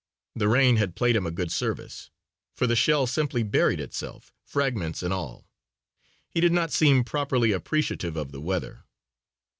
The rain had played him a good service, for the shell simply buried itself, fragments and all. He did not seem properly appreciative of the weather.